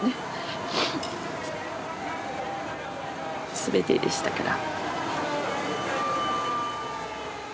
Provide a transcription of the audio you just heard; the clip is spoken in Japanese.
すべてでしたから。